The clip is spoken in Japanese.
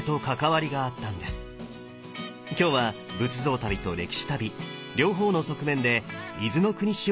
今日は仏像旅と歴史旅両方の側面で伊豆の国市を巡ります。